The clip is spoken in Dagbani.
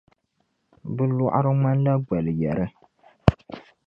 Bɛ lɔɣiri ŋmanila gbal’ yari.